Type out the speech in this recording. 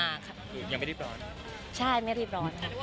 คือยังไม่ได้รีบร้อนใช่ไม่รีบร้อนค่ะ